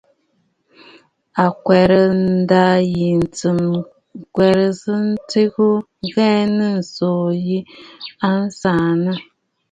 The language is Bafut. A sɔrə̀ ǹdâ yì ntsɨ̀m ŋ̀kwerə ntɨgə ŋghɛɛ nii tso ŋù a saa nii.